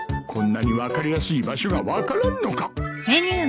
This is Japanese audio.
こんなに分かりやすい場所が分からんのか